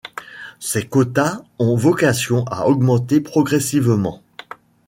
Ces quotas ont vocation à augmenter progressivement.